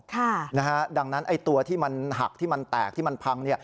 ค่ะนะฮะดังนั้นไอ้ตัวที่มันหักที่มันแตกที่มันพัง